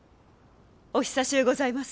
お久しゅうございます。